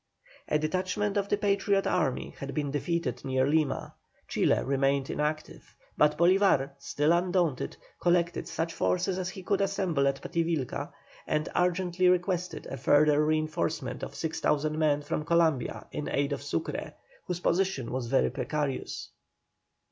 A detachment of the Patriot army had been defeated near Lima; Chile remained inactive; but Bolívar, still undaunted, collected such forces as he could assemble at Pativilca, and urgently requested a further reinforcement of 6,000 men from Columbia in aid of Sucre, whose position was very precarious.